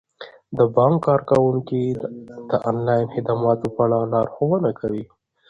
د بانک کارکوونکي د انلاین خدماتو په اړه لارښوونه کوي.